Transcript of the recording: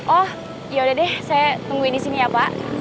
oh yaudah deh saya tungguin disini ya pak